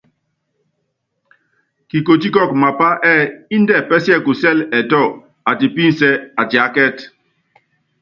Kikotí kɔɔkɔ mapá ɛ́ɛ́ índɛ pɛsiɛkusɛl ɛtɔ, atipínsɛ́, atiákɛ́t.